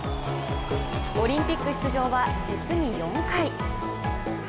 オリンピック出場は実に４回。